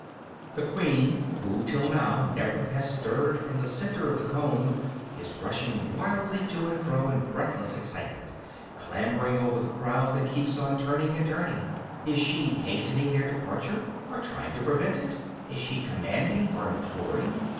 The queen, who till now never has stirred from the center of the comb, is rushing wildly to and fro, in breathless excitement, clambering over the crowd that keeps on turning and turning. Is she hastening their departure, or trying to prevent it? Is she commanding or imploring?